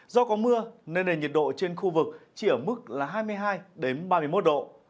do có mưa nên nền nhiệt độ trên khu vực chỉ ở mức là hai mươi hai ba mươi một độ